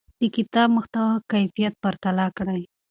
د کتاب محتوا او کیفیت پرتله کړئ.